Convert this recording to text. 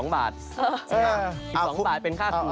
๕๒บาทเป็นค่าขืน